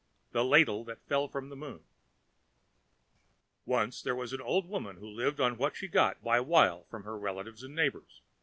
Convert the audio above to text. The Ladle that Fell from the Moon Once there was an old woman who lived on what she got by wile from her relatives and neighbors.